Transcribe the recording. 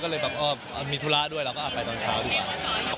ก็เลยแบบมีธุระด้วยเราก็เอาไปตอนเช้าดีกว่า